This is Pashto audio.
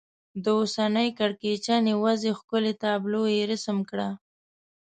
د اوسنۍ کړکېچنې وضعې ښکلې تابلو یې رسم کړه.